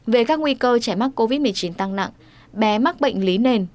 về các nguy cơ trẻ mắc covid một mươi chín tăng nặng bé mắc bệnh lý nền